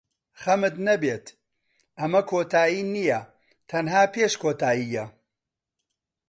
خەمت نەبێت، ئەمە کۆتایی نییە، تەنها پێش کۆتایییە.